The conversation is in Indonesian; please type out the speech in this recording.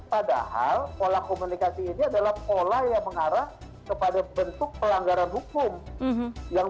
padahal pola komunikasi ini adalah pola yang mengarah kepada bentuk pelanggaran hukum yang